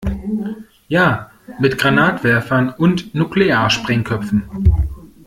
Ja, mit Granatwerfern und Nuklearsprengköpfen.